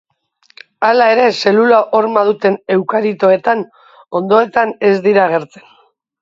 Hala ere, zelula horma duten eukariotoetan, onddoetan, ez dira agertzen.